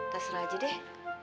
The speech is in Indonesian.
terserah aja deh